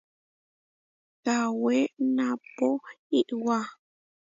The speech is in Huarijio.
Kawé naʼpó iʼwá.